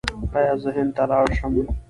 ایا زه هند ته لاړ شم؟